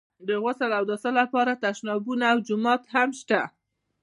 د غسل او اوداسه لپاره تشنابونه او جومات هم شته.